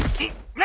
何？